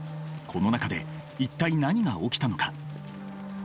この中で一体何が起きたのか？